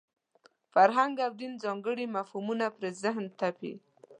فرهنګ او دین ځانګړي مفهومونه پر ذهن تپي.